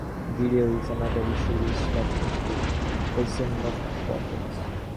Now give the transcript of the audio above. Video is another issue which continues to present most problems.